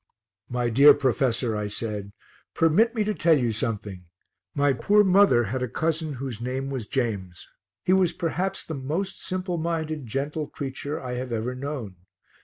"My dear professor," I said, "permit me to tell you something; my poor mother had a cousin whose name was James. He was perhaps the most simple minded, gentle creature I have ever known.